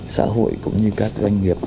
xã hội cũng như các doanh nghiệp